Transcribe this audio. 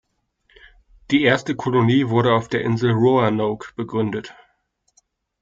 Die erste Kolonie wurde auf der Insel Roanoke begründet.